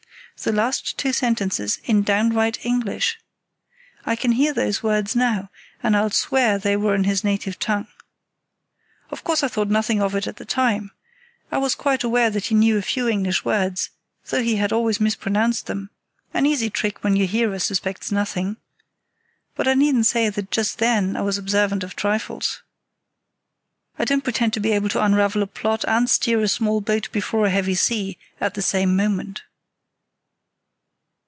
the last two sentences in downright English. I can hear those words now, and I'll swear they were in his native tongue. Of course I thought nothing of it at the time. I was quite aware that he knew a few English words, though he had always mispronounced them; an easy trick when your hearer suspects nothing. But I needn't say that just then I was observant of trifles. I don't pretend to be able to unravel a plot and steer a small boat before a heavy sea at the same moment."